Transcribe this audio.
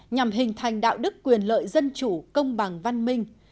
nhằm hình thành đạo đức quyền lợi dân chủ công bằng văn minh